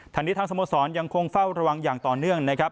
ทางนี้ทางสโมสรยังคงเฝ้าระวังอย่างต่อเนื่องนะครับ